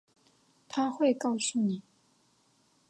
她会告诉你